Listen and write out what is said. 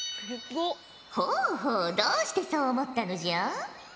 ほうほうどうしてそう思ったのじゃ？